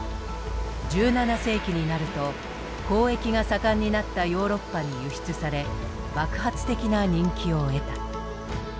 １７世紀になると交易が盛んになったヨーロッパに輸出され爆発的な人気を得た。